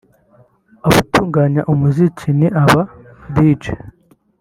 abatunganya umuziki n’aba-Djs